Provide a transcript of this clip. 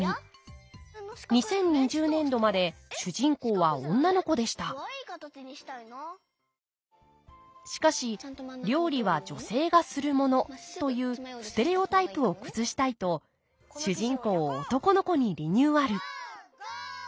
２０２０年度まで主人公は女の子でしたしかし料理は女性がするものというステレオタイプを崩したいと主人公を男の子にリニューアル